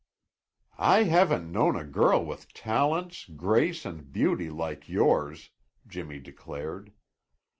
"I haven't known a girl with talents, grace and beauty like yours," Jimmy declared.